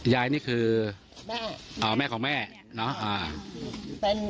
ยายนี่คือแม่ของแม่เนอะอ่าเป็น